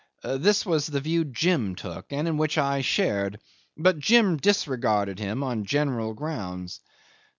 This was the view Jim took, and in which I shared; but Jim disregarded him on general grounds.